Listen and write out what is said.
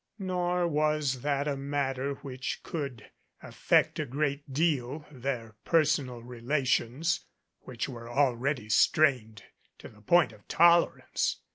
Nor was that a matter which could affect a great deal their personal relations, which were already strained to the point of tolerance.